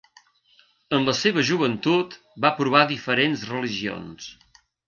En la seva joventut va provar diferents religions: